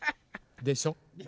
でしょ？